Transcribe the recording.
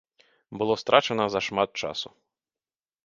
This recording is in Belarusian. Было страчана зашмат часу.